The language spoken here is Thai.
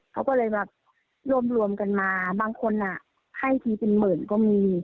เขาก็เลยแบบรวมกันมาบางคนให้ทีเป็นหมื่นก็มี